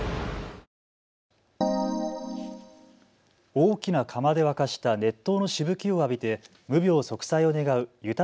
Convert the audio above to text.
大きな釜で沸かした熱湯のしぶきを浴びて無病息災を願う湯立